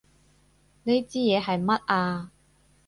呢支嘢係乜啊？